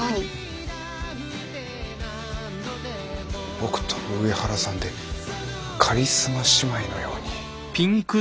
僕と上原さんでカリスマ姉妹のように。